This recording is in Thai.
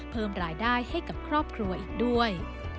เพิ่มรายได้ให้กับครอบครัวอีกด้วย